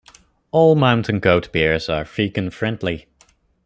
All Mountain Goat beers are vegan friendly.